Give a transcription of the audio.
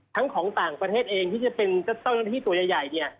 ของต่างประเทศเองที่จะเป็นเจ้าหน้าที่ตัวใหญ่เนี่ย